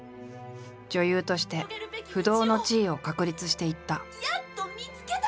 女優として不動の地位を確立していった。